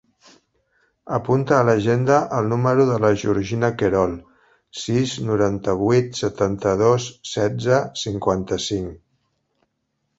Apunta a l'agenda el número de la Georgina Querol: sis, noranta-vuit, setanta-dos, setze, cinquanta-cinc.